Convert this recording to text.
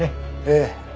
ええ。